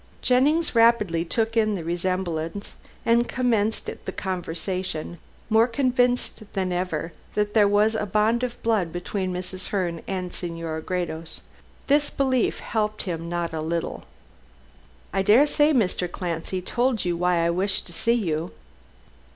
Jennings rapidly took in the resemblance, and commenced the conversation, more convinced than ever that there was some bond of blood between Mrs. Herne and Senora Gredos. This belief helped him not a little. "I daresay Mr. Clancy told you why I wished to see you?"